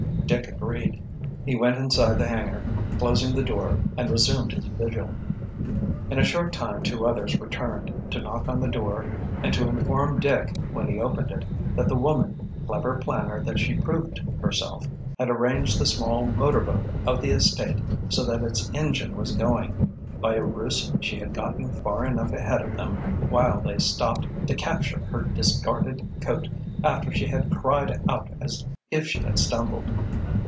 Dick agreed. He went inside the hangar, closing the door, and resumed his vigil. In a short time two others returned, to knock on the door and to inform Dick, when he opened it, that the woman, clever planner that she proved herself, had arranged the small motor boat of the estate so that its engine was going; by a ruse she had gotten far enough ahead of them while they stopped to "capture" her discarded coat after she had cried out as if she had stumbled.